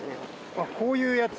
あっこういうやつ。